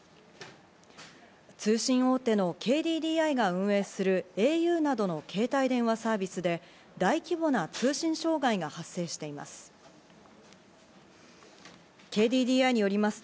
通信大手のＫＤＤＩが運営するａｕなどの携帯電話サービスで、大規模な通信障害が発生しています。